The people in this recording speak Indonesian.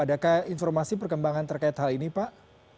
adakah informasi perkembangan terkait hal ini pak